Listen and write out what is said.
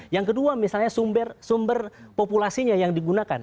yang kedua misalnya sumber populasinya yang digunakan